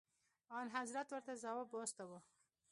انحضرت ورته ځواب واستوه.